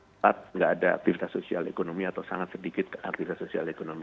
tetap nggak ada aktivitas sosial ekonomi atau sangat sedikit aktivitas sosial ekonomi